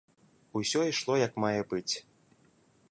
Усё ішло як мае быць.